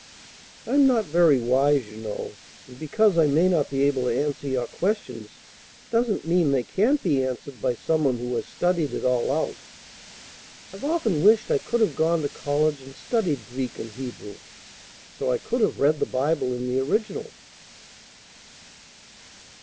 I'm not very wise, you know, and because I may not be able to answer your questions doesn't mean they can't be answered by some one who has studied it all out. I've often wished I could have gone to college and studied Greek and Hebrew, so I could have read the Bible in the original."